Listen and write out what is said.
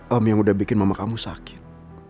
om yang udah bikin mama kamu sakit